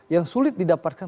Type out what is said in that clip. yang sulit didapatkan